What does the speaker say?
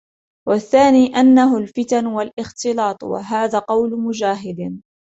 وَالثَّانِي أَنَّهُ الْفِتَنُ وَالِاخْتِلَاطُ ، وَهَذَا قَوْلُ مُجَاهِدٍ